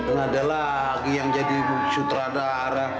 nggak ada lagi yang jadi sutradara